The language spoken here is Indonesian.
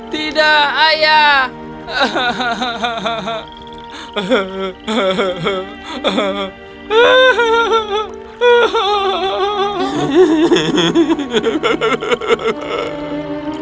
tidak ayah lebih besar